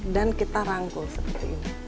kita rangkul seperti ini